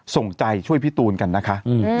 ส่งใจช่วยพี่ตูนกันนะคะ